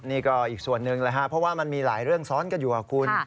นี่ก็อีกส่วนหนึ่งนะครับเพราะว่ามันมีหลายเรื่องซ้อนกันอยู่กับคุณ